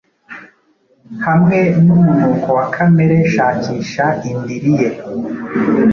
hamwe numunuko wa Kamere Shakisha indiri ye